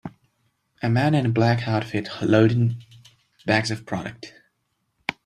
A man in a black outfit loading bags of product